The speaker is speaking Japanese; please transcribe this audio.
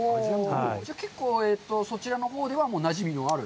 じゃあ、結構、そちらのほうではなじみのある？